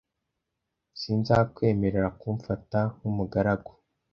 S Sinzakwemerera kumfata nk'umugaragu.